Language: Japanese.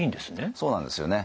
そうなんですよね。